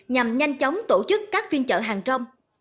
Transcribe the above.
nhằm nhanh chóng tổ chức các phiên chợ hàng trong